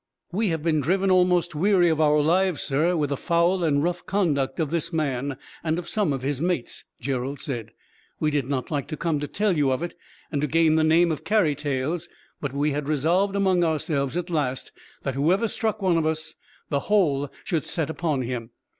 "We have been driven almost weary of our lives, sir, with the foul and rough conduct of this man, and of some of his mates," Gerald said. "We did not like to come to tell you of it, and to gain the name of carry tales; but we had resolved among ourselves at last that, whoever struck one of us, the whole should set upon him.